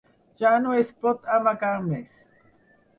Ja no es pot amagar més.